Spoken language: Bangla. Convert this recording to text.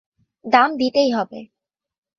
দাম দিতেই হবে।